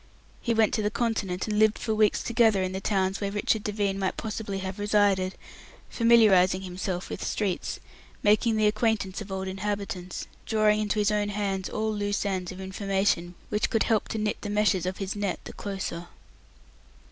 He went to the Continent, and lived for weeks together in the towns where Richard Devine might possibly have resided, familiarizing himself with streets, making the acquaintance of old inhabitants, drawing into his own hands all loose ends of information which could help to knit the meshes of his net the closer.